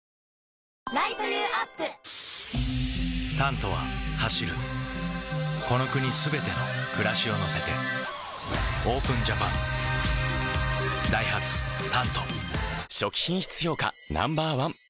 「タント」は走るこの国すべての暮らしを乗せてＯＰＥＮＪＡＰＡＮダイハツ「タント」初期品質評価